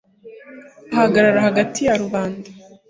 ahagarara hagati ya rubanda